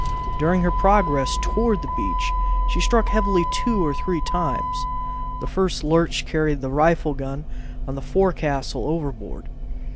During her progress toward the beach she struck heavily two or three times; the first lurch carried the rifle gun on the forecastle overboard.